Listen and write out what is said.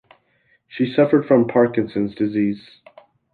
She suffered from Parkinson's disease.